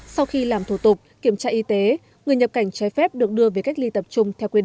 sau khi làm thủ tục kiểm tra y tế người nhập cảnh trái phép được đưa về cách ly tập trung theo quy định